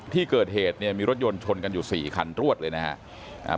ที่เกิดเหตุเนี่ยมีรถยนต์ชนกันอยู่สี่คันรวดเลยนะครับ